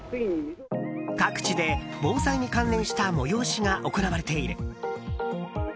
各地で防災に関連した催しが行われている。